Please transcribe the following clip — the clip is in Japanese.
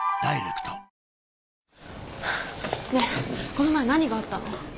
この前何があったの？